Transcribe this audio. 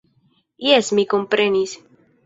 Jes, mi komprenis.